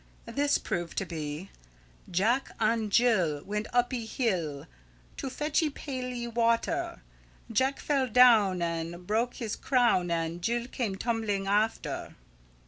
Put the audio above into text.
This proved to be: "Jack an Jill Went uppy hill, To fetchy paily water; Jack fell down an Broke his crown an Jill came tumbling after."